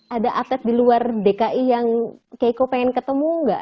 ada atlet di luar dki yang keiko pengen ketemu nggak